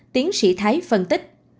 tiến sĩ thái phân tích